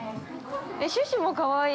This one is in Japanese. シュシュもかわいい。